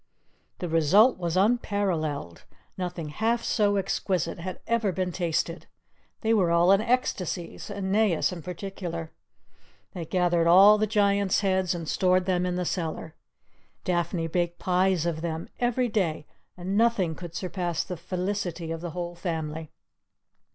The result was unparalleled; nothing half so exquisite had ever been tasted. They were all in ecstasies, Aeneas in particular. They gathered all the Giant's heads and stored them in the cellar. Daphne baked pies of them every day, and nothing could surpass the felicity of the whole family.